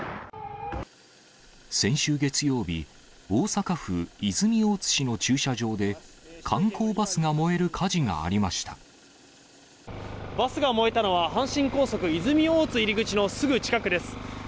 先週月曜日、大阪府泉大津市の駐車場で、観光バスが燃える火事がありましバスが燃えたのは、阪神高速泉大津入り口のすぐ近くです。